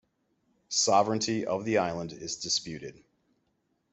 Sovereignty of the island is disputed.